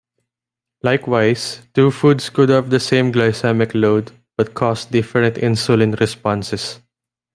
Likewise, two foods could have the same glycemic load, but cause different insulin responses.